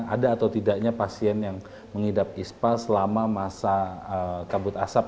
ada atau tidaknya pasien yang mengidap ispa selama masa kabut asap